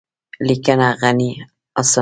لیکنه: غني حسن